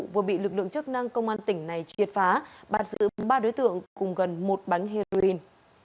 vừa bị lực lượng chức năng công an tỉnh này triệt phá bạt giữ ba đối tượng cùng gần một bánh heroin